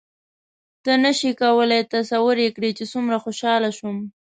ته نه شې کولای تصور یې کړې چې څومره خوشحاله شوم.